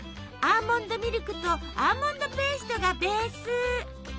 アーモンドミルクとアーモンドペーストがベース。